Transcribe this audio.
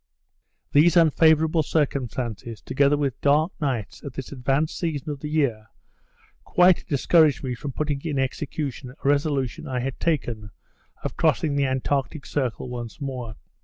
These unfavourable circumstances, together with dark nights, at this advanced season of the year, quite discouraged me from putting in execution a resolution I had taken of crossing the Antarctic Circle once more.